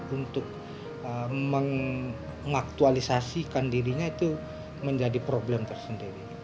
untuk mengaktualisasikan dirinya itu menjadi problem tersendiri